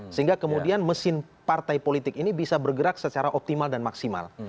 sehingga kemudian mesin partai politik ini bisa bergerak secara optimal dan maksimal